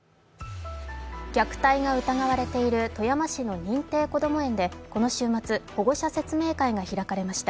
虐待が疑われている富山市の認定こども園でこの週末、保護者説明会が開かれました。